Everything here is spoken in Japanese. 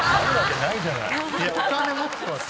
いやお金持ってます。